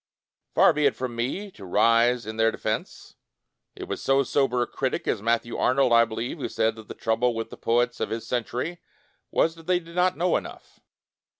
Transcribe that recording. Far be it from me to rise in their defense. It was so sober a critic as Matthew Arnold, I believe, who said that the trouble with the poets of his century was that they did not know enough.